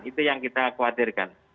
itu yang kita khawatirkan